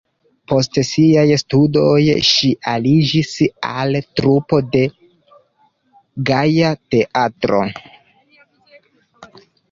Post siaj studoj ŝi aliĝis al trupo de Gaja Teatro.